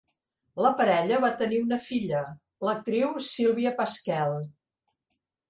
La parella va tenir una filla, l'actriu Sylvia Pasquel.